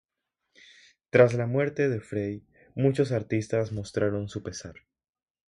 Tras la muerte de Frey, muchos artistas mostraron su pesar.